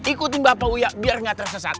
ikutin bapak uya biar gak tersesat